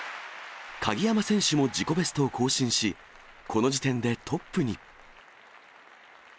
鍵山選手も自己ベストを更新し、この時点でトップに。